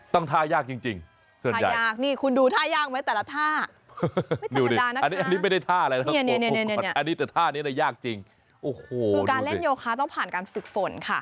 ต้องผ่านการฝึกฝนค่ะ